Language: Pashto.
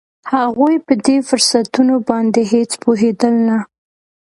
هغوی په دې فرصتونو باندې هېڅ پوهېدل نه